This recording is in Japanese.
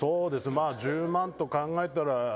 まあ１０万と考えたら、１割。